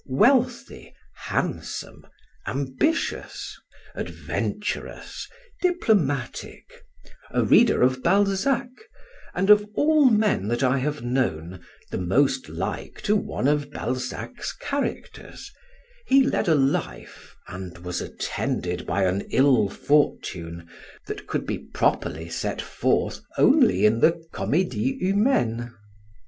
Wealthy, handsome, ambitious, adventurous, diplomatic, a reader of Balzac, and of all men that I have known, the most like to one of Balzac's characters, he led a life, and was attended by an ill fortune, that could be properly set forth only in the Comédie Humaine.